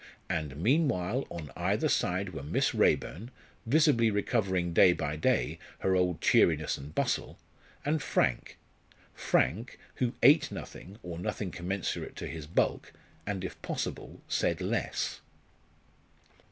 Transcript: And meanwhile, on either side were Miss Raeburn, visibly recovering day by day her old cheeriness and bustle, and Frank Frank, who ate nothing, or nothing commensurate to his bulk, and, if possible, said less.